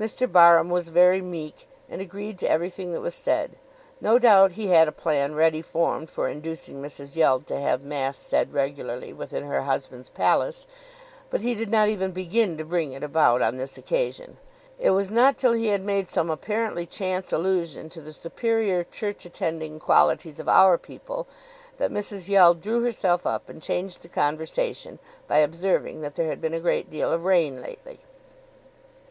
Mr. Barham was very meek, and agreed to everything that was said. No doubt he had a plan ready formed for inducing Mrs. Yeld to have mass said regularly within her husband's palace, but he did not even begin to bring it about on this occasion. It was not till he made some apparently chance allusion to the superior church attending qualities of "our people," that Mrs. Yeld drew herself up and changed the conversation by observing that there had been a great deal of rain lately.